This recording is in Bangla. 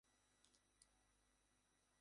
আমাকে মাপ করো।